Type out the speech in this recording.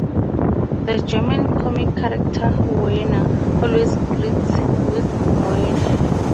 The German comic character Werner always greets with "Moin".